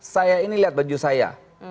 saya ini lihat baju saya